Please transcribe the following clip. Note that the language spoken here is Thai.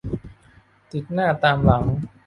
ติดหน้าตามหลัง